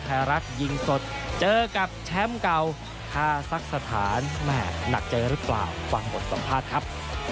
ไทยรัฐยิงสดเจอกับแชมป์เก่าคาซักสถานแม่หนักใจหรือเปล่าฟังบทสัมภาษณ์ครับ